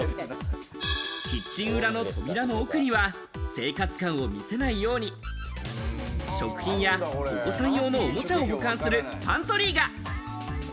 キッチン裏の扉の奥には生活感を見せないように食品やお子さん用のおもちゃを保管するパントリーが。